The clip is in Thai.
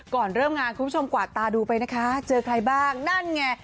ก่อนเริ่มงานคุณผู้ชมกวาดตาดูไปนะคะเจอใครบ้างนั่นไง